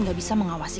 gak bisa mengawasi